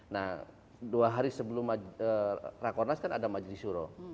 nah dua hari sebelum rakornas kan ada majlis syuroh